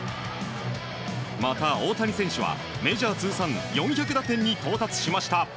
また大谷選手はメジャー通算４００打点に到達しました。